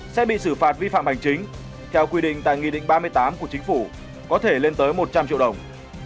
sẽ bị xử phạt vi phạm hành chính theo quy định tại nghị định ba mươi tám của chính phủ có thể lên tới một trăm linh triệu đồng